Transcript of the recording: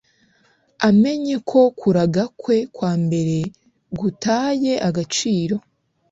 amenya ko kuragakwe kwambere gutaye agaciro